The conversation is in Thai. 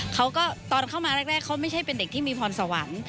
เขาก็ตอนเข้ามาแรกเขาไม่ใช่เป็นเด็กที่มีพรสวรรค์